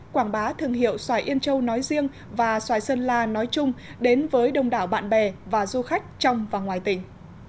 quảng bá thương hiệu xoài yên châu nói riêng và xoài sơn la nói chung đến với đông đảo bạn bè và du khách trong và ngoài tỉnh